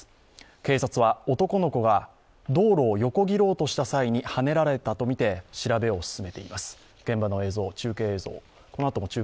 警察は、男の子が道路を横切ろうとした際にはねられたとみて調べを進めています。